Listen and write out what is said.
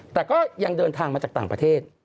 แต่ก็ยังเดินทางมาจากต่างประเทศ